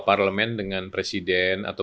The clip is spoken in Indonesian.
parlemen dengan presiden atau